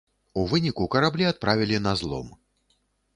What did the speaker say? У выніку, караблі адправілі на злом.